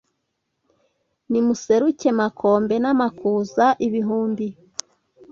Nimuseruke Makombe N’amakuza ibihumbi